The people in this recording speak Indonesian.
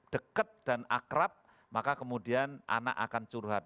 dekat dan akrab maka kemudian anak akan curhat